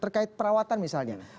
terkait perawatan misalnya